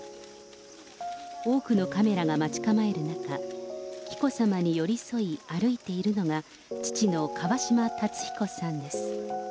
多くのカメラが待ち構える中、紀子さまに寄り添い、歩いているのが、父の川嶋辰彦さんです。